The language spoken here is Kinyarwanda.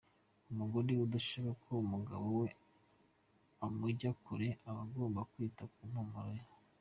Umugore udashaka ko umugabo we amujya kure aba agomba kwita ku mpumuro ye.